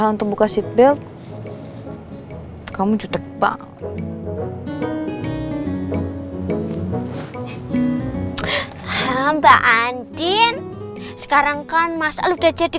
untuk buka seatbelt kamu cutek banget mbak andin sekarang kan mas al udah jadi